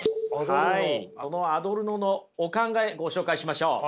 アドルノのお考えご紹介しましょう。